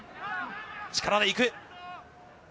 力で行く。